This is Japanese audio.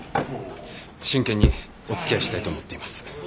真剣におつきあいしたいと思っています。